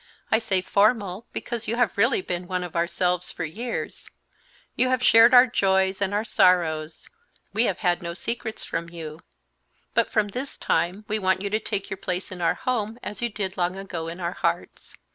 I say formal because you have really been one of ourselves for years; you have shared our joys and our sorrows; we have had no secrets from you; but from this time we want you to take your place in our home, as you did long ago in our hearts.